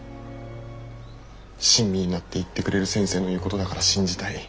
親身になって言ってくれる先生の言うことだから信じたい。